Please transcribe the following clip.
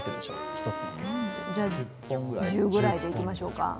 １０ぐらいでいきましょうか？